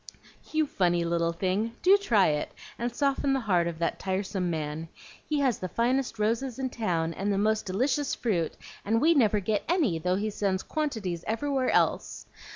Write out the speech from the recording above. "You funny little thing, do try it, and soften the heart of that tiresome man! He has the finest roses in town and the most delicious fruit, and we never get any, though he sends quantities everywhere else.